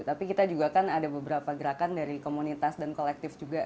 tapi kita juga kan ada beberapa gerakan dari komunitas dan kolektif juga